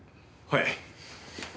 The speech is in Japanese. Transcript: はい。